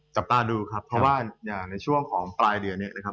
จับตาดูครับเพราะว่าในช่วงของปลายเดือนเนี่ย